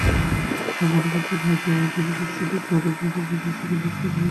তাঁরা মনে করছেন, হয়তো জনতুষ্টিবাদের তোড়ে উদারপন্থী সরকারব্যবস্থা বিলীন হয়ে যাবে।